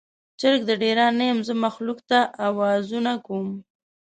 چرګ د ډیران نه یم، زه مخلوق ته اوازونه کوم